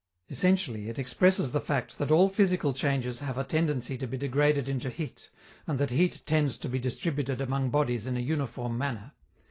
Essentially, it expresses the fact that all physical changes have a tendency to be degraded into heat, and that heat tends to be distributed among bodies in a uniform manner.